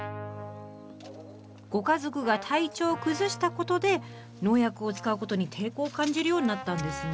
ご家族が体調を崩したことで農薬を使うことに抵抗を感じるようになったんですね。